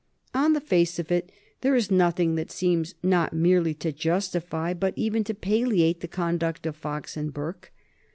On the face of it there is nothing that seems not merely to justify, but even to palliate, the conduct of Fox and Burke.